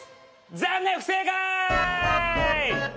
残念不正解！